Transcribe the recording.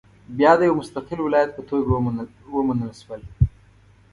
بیا د یو مستقل ولایت په توګه ومنل شول.